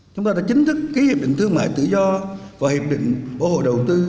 chúng ta đã chính thức ký hiệp định thương mại tự do và hiệp định bảo hộ đầu tư